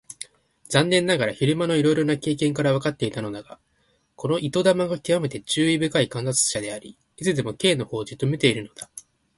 残念ながら昼間のいろいろな経験からわかっていたのだが、この糸玉がきわめて注意深い観察者であり、いつでも Ｋ のほうをじっと見ているのだ。